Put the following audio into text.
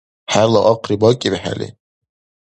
ХӀела ахъри бакӀибхӀели.